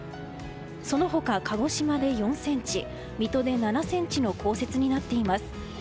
その他、鹿児島で４ｃｍ水戸で７ｃｍの降雪になっています。